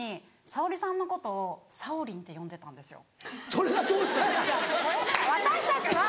それがどうした？